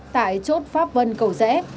tại chốt pháp vân cầu rẽ